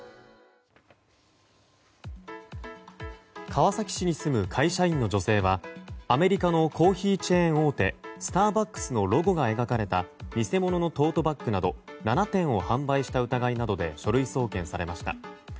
川崎市に住む会社員の女性はアメリカのコーヒーチェーン大手スターバックスのロゴが描かれた偽物のトートバッグなど７点を販売した疑いなどで書類送検されました。